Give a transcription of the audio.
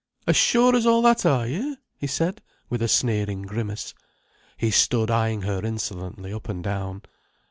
"As sure as all that, are you!" he said, with a sneering grimace. He stood eyeing her insolently up and down.